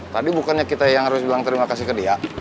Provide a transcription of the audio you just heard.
tadi bukannya kita yang harus bilang terima kasih ke dia